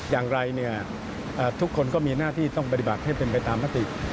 อย่างไรเนี่ยทุกคนก็มีหน้าที่ต้องปฏิบัติให้เป็นไปตามมติ